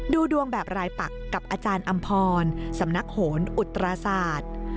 ดูดวงแบบรายปักกับอาจารย์อำพรสำนักโหนอุตราศาสตร์